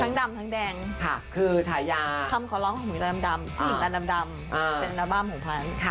ทั้งดำทั้งแดงคือใช้ยาคำขอร้องของหญิงตาดำเป็นอัลบั้มของพัน